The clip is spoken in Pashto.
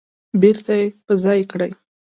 بیرته په ځای کړي